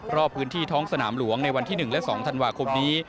รอบพื้นที่ท้องสนามหลวงในวันที่๑และ๒ธันวาคมนี้